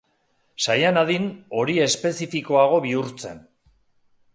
Saia nadin hori espezifikoago bihurtzen.